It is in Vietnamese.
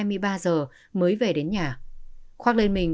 mới về đến nhà khoác lên mình